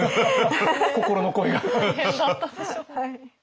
心の声が。